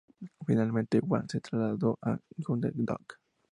Finalmente Wang se trasladó a Guangdong.